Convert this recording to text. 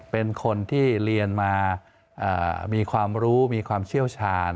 เป็นคนที่เรียนมามีความรู้มีความเชี่ยวชาญ